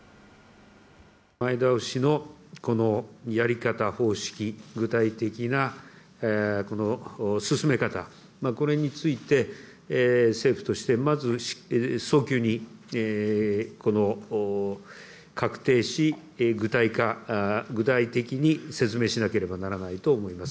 前倒しのこのやり方、方式、具体的な、この進め方、これについて、政府として、まず早急に確定し、具体的に説明しなければならないと思います。